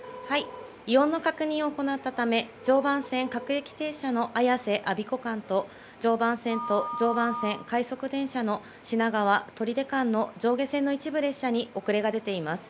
異音の確認を行ったため、常磐線各駅停車の綾瀬・安孫子間と、常磐線と常磐線快速電車の品川・取手間の上下線の一部列車に遅れが出ています。